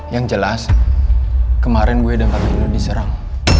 yang jelas kemarin gue dan pak nino diserang